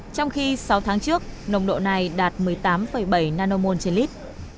trong khi sáu tháng trước nồng độ này đạt một mươi tám bảy nanomon trên lít